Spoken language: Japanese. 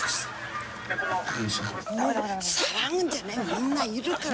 みんないるから！